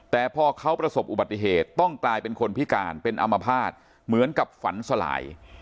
แต่พอเขาประสบอุบัติเหตุต้องกลายเป็นคนพิการเป็นอมภาษณ์เหมือนกับฝันสลาย